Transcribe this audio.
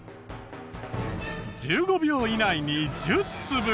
１５秒以内に１０粒。